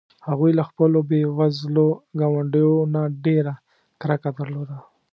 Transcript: هغوی له خپلو بې وزلو ګاونډیو نه ډېره کرکه درلوده.